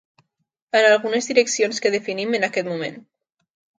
En algunes direccions que definim en aquest moment.